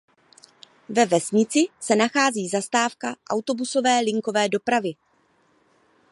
Ve vesnici se nachází zastávka autobusové linkové dopravy.